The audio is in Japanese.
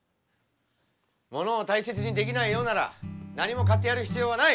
モノを大切にできないようならなにも買ってやる必要はない！